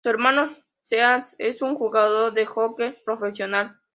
Su hermano, Sean, es un jugador de hockey profesional.